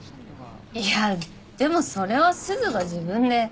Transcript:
いやでもそれはすずが自分で。